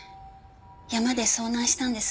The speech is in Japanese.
山で遭難したんです。